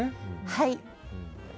はい。